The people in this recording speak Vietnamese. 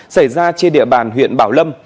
xảy ra trên địa bàn huyện bảo lâm